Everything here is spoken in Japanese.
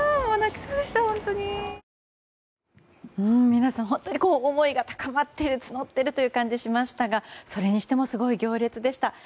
皆さん、本当に思いが高まっている募っているという感じがしましたがそれにしてもすごい行列でした。